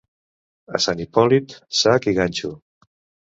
A Sant Hipòlit, sac i ganxo.